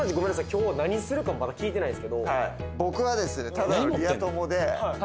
今日は何するかもまだ聞いてないんですけどはいははは